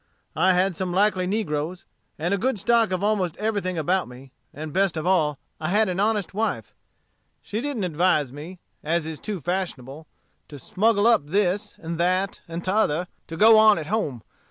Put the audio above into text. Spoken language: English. I had some likely negroes, and a good stock of almost everything about me, and, best of all, I had an honest wife. She didn't advise me, as is too fashionable, to smuggle up this, and that, and t'other, to go on at home.